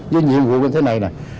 với nhiệm vụ như thế này này